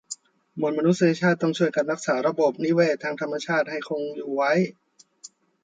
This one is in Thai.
มวลมนุษยชาติต้องช่วยกันรักษาระบบนิเวศทางธรรมชาติให้คงอยู่ไว้